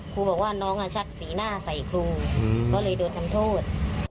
ครูบอกว่าน้องชักสีหน้าใส่ครูก็เลยโดนทำโทษ